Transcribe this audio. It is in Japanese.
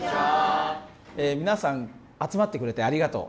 皆さん集まってくれてありがとう。